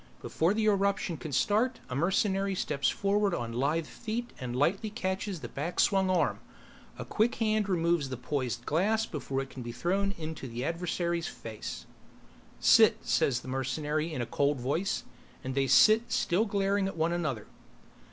Before the eruption can start, a mercenary steps forward on lithe feet and lightly catches the back swung arm, a quick hand removes the poised glass before it can be thrown into the adversary's face. "Sit!" says the mercenary in a cold voice, and they sit still glaring at one another.